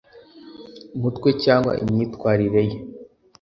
mutwe cyangwa imyitwarire ye